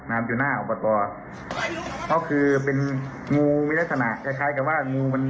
อยู่หน้าอบตเขาคือเป็นงูมีลักษณะคล้ายคล้ายกับว่างูมัน